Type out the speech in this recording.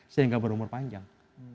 sehingga berumur panjang